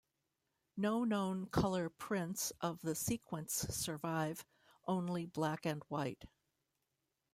No known color prints of the sequence survive, only black-and-white.